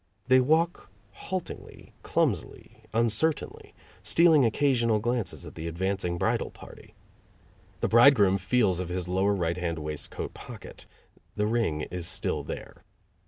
They walk haltingly, clumsily, uncertainly, stealing occasional glances at the advancing bridal party. The bridegroom feels of his lower right hand waistcoat pocket; the ring is still there.